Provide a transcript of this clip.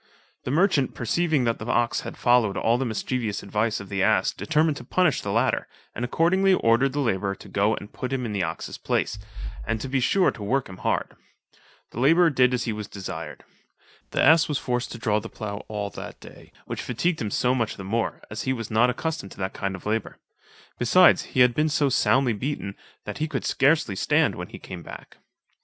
The merchant perceiving that the ox had followed all the mischievous advice of the ass, determined to punish the latter, and accordingly ordered the labourer to go and put him in the ox's place, and to he sure to work him hard. The labourer did as he was desired. The ass was forced to draw the plough all that day, which fatigued him so much the more, as he was not accustomed to that kind of labour; besides he had been so soundly beaten, that he could scarcely stand when he came back.